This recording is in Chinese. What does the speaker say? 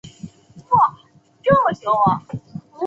案例经验分享